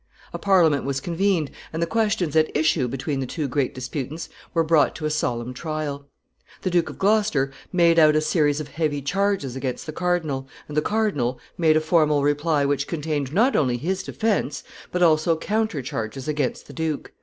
A Parliament was convened, and the questions at issue between the two great disputants were brought to a solemn trial. The Duke of Gloucester made out a series of heavy charges against the cardinal, and the cardinal made a formal reply which contained not only his defense, but also counter charges against the duke.